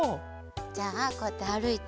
じゃあこうやってあるいてて。